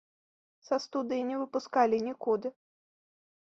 Са студыі не выпускалі нікуды.